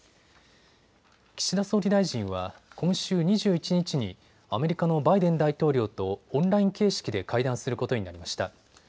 岸田総理大臣は今週２１日にアメリカのバイデン大統領とオンライン形式で会談することになりました。